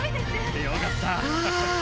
よかった！